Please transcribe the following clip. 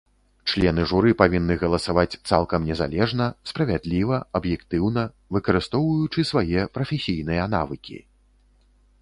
Члены журы павінны галасаваць цалкам незалежна, справядліва, аб'ектыўна, выкарыстоўваючы свае прафесійныя навыкі.